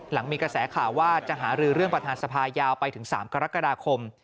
หลังมีกระแสข่าวว่าจะหารือเรื่องประธานสภายาวไปถึง๓กรกฎาคม